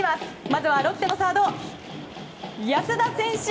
まずはロッテのサード安田選手。